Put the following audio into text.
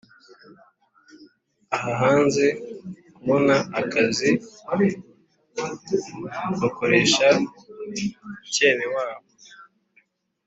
Ahahanze kubona akazi bakoresha icyenewabo